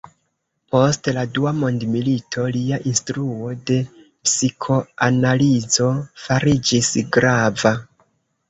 Post la dua mondmilito lia instruo de psikoanalizo fariĝis grava.